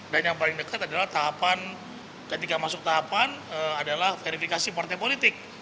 dan yang paling dekat adalah tahapan ketika masuk tahapan adalah verifikasi partai politik